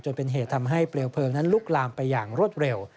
เป็นเหตุทำให้เปลวเพลิงนั้นลุกลามไปอย่างรวดเร็ว